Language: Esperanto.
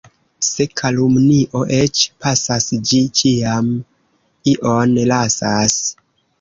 Se kalumnio eĉ pasas, ĝi ĉiam ion lasas.